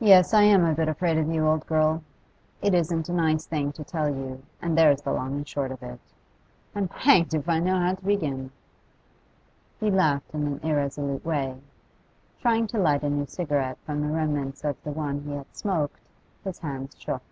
'Yes, I am a bit afraid of you, old girl. It isn't a nice thing to tell you, and there's the long and short of it. I'm hanged if I know how to begin.' He laughed in an irresolute way. Trying to light a new cigarette from the remnants of the one he had smoked, his hands shook.